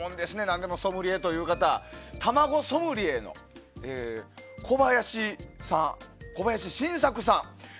何でもソムリエという方たまごソムリエの小林真作さん。